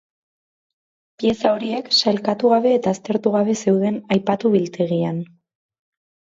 Pieza horiek sailkatu gabe eta aztertu gabe zeuden aipatu biltegian.